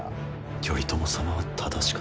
頼朝様は正しかった。